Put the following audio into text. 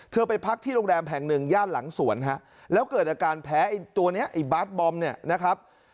เธอไปพักที่โรงแรมแผงหนึ่งญาติหลังสวนนะครับแล้วเกิดอาการแพ้ตัวนี้บาสบอมเนี่ยนะครับ